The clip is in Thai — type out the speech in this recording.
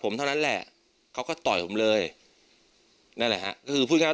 ผมเท่านั้นแหละเขาก็ต่อยผมเลยนั่นแหละฮะก็คือพูดง่าย